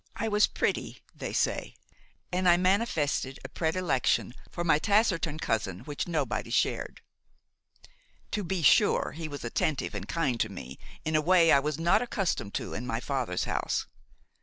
I was pretty, they say, and I manifested a predilection for my taciturn cousin which nobody shared. To be sure, he was attentive and kind to me in a way I was not accustomed to in my father's house.